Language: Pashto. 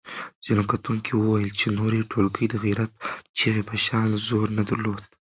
ځینو کتونکو وویل چې نورې ټولګې د غیرت چغې په شان زور نه درلود.